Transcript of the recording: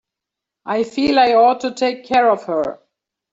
I feel I ought to take care of her.